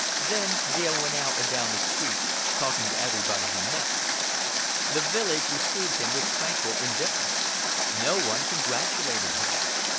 Then Dale went out and down the street, talking to everybody he met. The village received him with tranquil indifference. No one congratulated him.